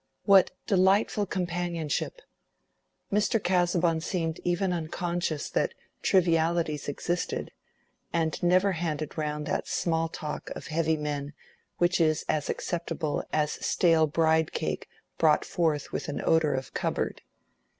What delightful companionship! Mr. Casaubon seemed even unconscious that trivialities existed, and never handed round that small talk of heavy men which is as acceptable as stale bride cake brought forth with an odor of cupboard.